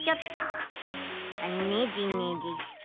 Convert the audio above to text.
ねじねじして。